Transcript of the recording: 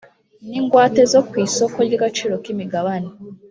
N’ ingwate zo ku isoko ry ‘agaciro k’imigabane